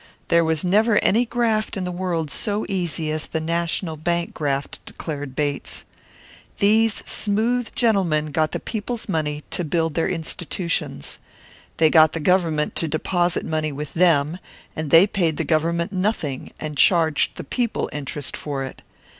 There was never any graft in the world so easy as the national bank graft, declared Bates. These smooth gentlemen got the people's money to build their institutions. They got the Government to deposit money with them, and they paid the Government nothing, and charged the people interest for it.